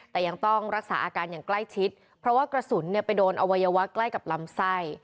แต่ยังต้องรักษาอาการอย่างใกล้ชิดเพราะว่ากระสุนเนี่ยไปโดนอวัยวะใกล้กับลำไส้